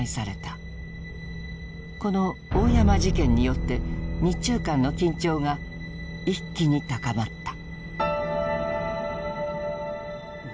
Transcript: この大山事件によって日中間の緊張が一気に高まった。